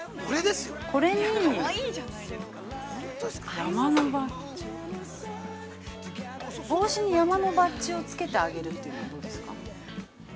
これに、山のバッチ、帽子に山のバッチをつけてあげるっていうのはどうですか。